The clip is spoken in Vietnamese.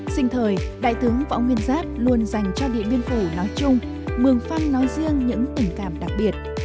sinh thời đại tướng võ nguyên giáp luôn dành cho điện biên phủ nói chung mường phăm nói riêng những tình cảm đặc biệt